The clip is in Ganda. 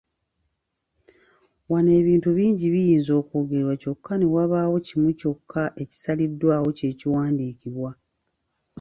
Wano ebintu bingi biyinza okwogerwa kyokka ne wabaawo kimu kyokka ekisaliddwawo kye kiwandiikibwa.